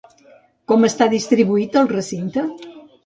Com està distribuït el recinte?